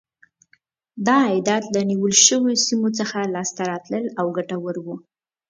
دا عایدات له نیول شویو سیمو څخه لاسته راتلل او ګټور و.